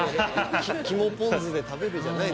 「肝ポン酢で食べる」じゃないですよ